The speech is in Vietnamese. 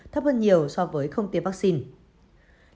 thấp hơn nhiều so với không tiêm vaccine